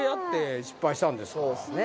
そうっすね。